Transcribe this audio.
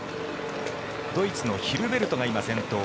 ドイツのヒルベルトが今、先頭。